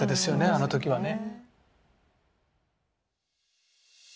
あの時はね。